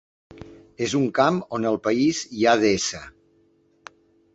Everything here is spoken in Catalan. És un camp on el país, hi ha d’ésser.